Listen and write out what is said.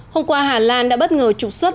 hôm qua hà lan đã bất ngờ trục xuất